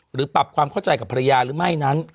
หรือปรับความเข้าใจกับภรรยาหรือไม่นั้น